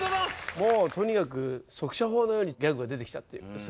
もうとにかく速射砲のようにギャグが出てきたっていうですね。